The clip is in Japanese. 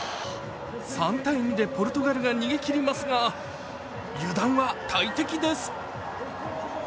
３−２でポルトガルが逃げ切りますが油断は大敵です。